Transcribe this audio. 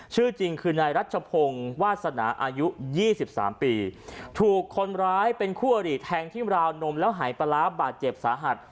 ชื่อจริงคือนายรัชพงศ์วาสนาอายุ๒๓ปีถูกคนร้ายเป็นคู่อริแทงที่ราวนมแล้วหายปลาร้าบาดเจ็บสาหัส